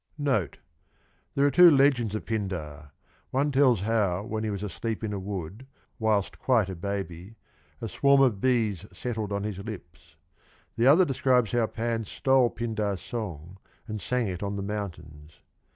Note. There are two legends of Pindar. One tells how when he was asleep in a wood, whilst quite a baby, a swarm of bees settled on his lips. The other describes how Pan stole Pindar's song, and sang it on the mountains.